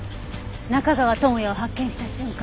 中川智哉を発見した瞬間